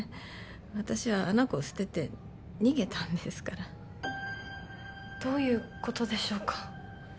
私はあの子を捨てて逃げたんですからどういうことでしょうか？